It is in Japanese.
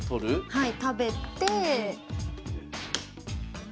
はい。